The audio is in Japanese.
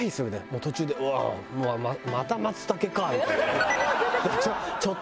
もう途中でうわまた松茸かみたいな。